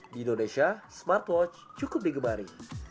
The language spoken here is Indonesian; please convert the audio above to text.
di indonesia smartwatch cukup digemari